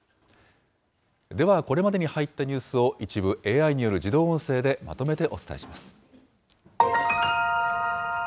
では、これまでに入ったニュースを一部ＡＩによる自動音声でまとめてお伝えします。